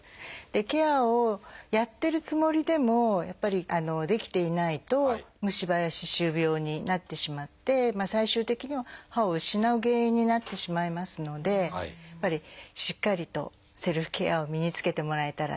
ケアをやってるつもりでもやっぱりできていないと虫歯や歯周病になってしまって最終的には歯を失う原因になってしまいますのでやっぱりしっかりとセルフケアを身につけてもらえたらなっていうのは。